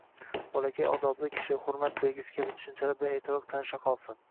Bolakay “odobli kishi”, “hurmat belgisi” kabi tushunchalar bilan ertaroq tanishaqolsin.